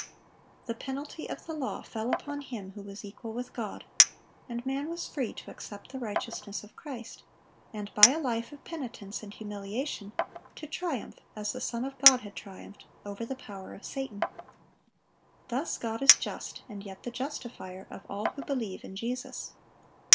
The penalty of the law fell upon Him who was equal with God, and man was free to accept the righteousness of Christ, and by a life of penitence and humiliation to triumph, as the Son of God had triumphed, over the power of Satan. Thus God is just, and yet the justifier of all who believe in Jesus.